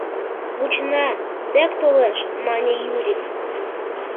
— Вучена, тек толеш, — мане Юрик.